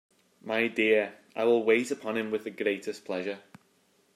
My dear, I will wait upon him with the greatest pleasure.